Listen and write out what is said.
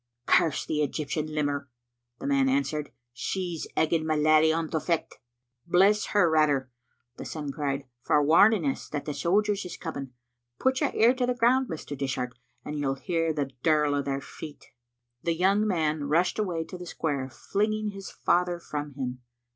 "Curse the Eg)rptian limmer," the man answered, "she's egging my laddie on to fecht." "Bless her rather," the son cried, "for warning us that the sojers is coming. Put your ear to the ground, Mr. Dishart, and you'll hear the dirl o' their feet." The young man rushed away to the square, flinging his father from him.